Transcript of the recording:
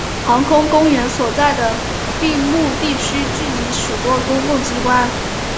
航空公园所在的并木地区聚集许多公共机关。